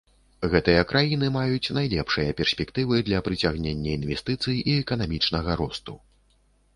Гэтыя краіны маюць найлепшыя перспектывы для прыцягнення інвестыцый і эканамічнага росту.